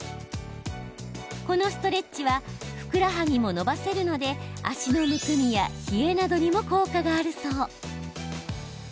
このストレッチはふくらはぎも伸ばせるので足のむくみや冷えなどにも効果があるそう。